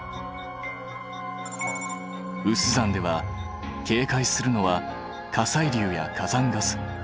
有珠山ではけいかいするのは火砕流や火山ガス。